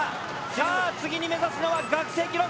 さあ次に目指すのは学生記録。